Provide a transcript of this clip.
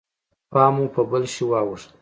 پام مو په بل شي واوښت.